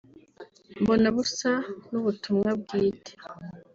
Mbona busa n’ubutumwa bwite